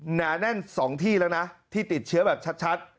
หนาแน่น๒ที่แล้วนะที่ติดเชื้อแบบชัด